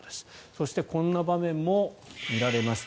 そしてこんな場面も見られました。